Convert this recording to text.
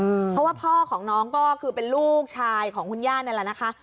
เพราะว่าพ่อของน้องก็คือเป็นลูกชายของคุณย่านั่นแหละนะคะ